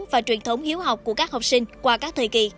và truyền thống hiếu học của các học sinh qua các thời kỳ